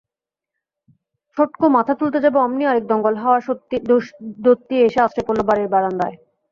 ছোটকু মাথা তুলতে যাবে, অমনি আরেক দঙ্গল হাওয়া-দত্যি এসে আছড়ে পড়লো বাড়ির বারান্দায়।